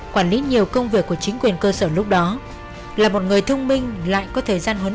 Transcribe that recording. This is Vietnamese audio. quản lý nhiều công việc của chính quyền cơ sở lúc đó là một người thông minh lại có thời gian huấn